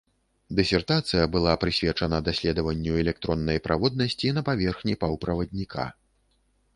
Дысертацыя была прысвечана даследаванню электроннай праводнасці на паверхні паўправадніка.